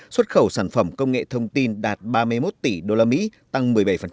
xuất khẩu sản phẩm công nghệ thông tin đạt ba mươi một tỷ usd tăng một mươi bảy